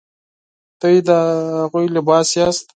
تاسو د هغوی لباس یاست.